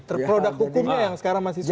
terproduk hukumnya yang sekarang masih subir